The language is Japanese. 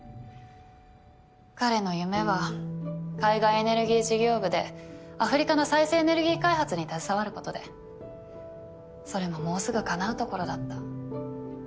彼の夢は海外エネルギー事業部でアフリカの再生エネルギー開発に携わることでそれももうすぐかなうところだった。